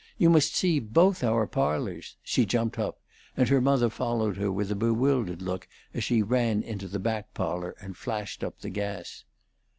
You must see both our parlors." She jumped up, and her mother followed her with a bewildered look as she ran into the back parlor and flashed up the gas.